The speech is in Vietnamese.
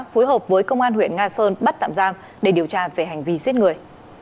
phối hợp với công an huyện nga sơn bắt tạm giam để điều tra về hành vi giết người